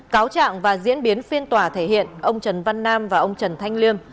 cáo trạng và diễn biến phiên tòa thể hiện ông trần văn nam và ông trần thanh liêm